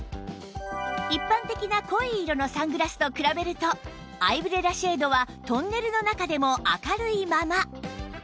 一般的な濃い色のサングラスと比べるとアイブレラシェードはトンネルの中でも明るいまま